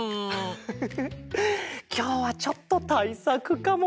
フフフフきょうはちょっとたいさくかも。